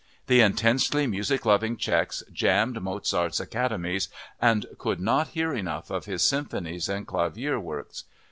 The intensely music loving Czechs jammed Mozart's academies and could not hear enough of his symphonies and clavier works.